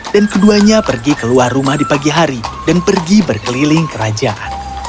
dan keduanya pergi keluar rumah di pagi hari dan pergi berkeliling kerajaan